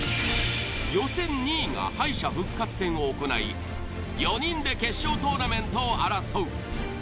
予選２位が敗者復活戦を行い４人で決勝トーナメントを争う。